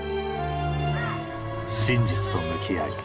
真実と向き合い